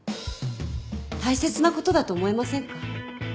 大切なことだと思いませんか？